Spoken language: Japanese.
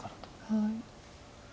はい。